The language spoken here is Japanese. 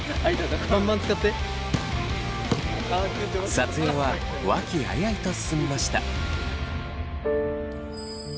撮影は和気あいあいと進みました。